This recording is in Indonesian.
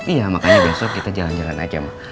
iya makanya besok kita jalan jalan aja